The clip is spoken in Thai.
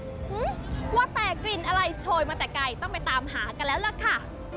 ว่าแต่กลิ่นอะไรโชยมาแต่ไกลต้องไปตามหากันแล้วล่ะค่ะ